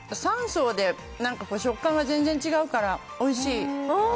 ３層で食感が全然違うからおいしい。